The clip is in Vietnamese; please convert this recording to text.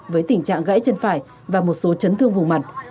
với tình trạng gãy chân phải và một số chấn thương vùng mặt